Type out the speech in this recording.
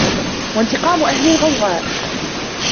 وَانْتِقَامُ أَهْلِ الْغَوْغَاءِ